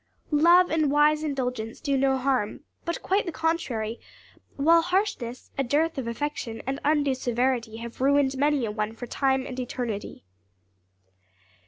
Love and wise indulgence do no harm, but quite the contrary; while harshness, a dearth of affection, and undue severity have ruined many a one for time and eternity.